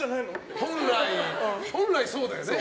本来そうだよね。